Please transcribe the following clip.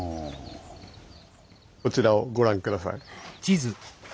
こちらをご覧下さい。